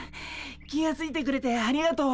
気が付いてくれてありがとう。